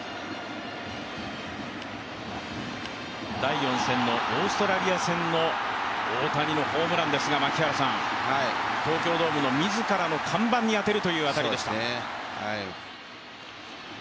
第４戦のオーストラリア戦の大谷のホームランですが東京ドームの自らの看板に当てるという当たりでした。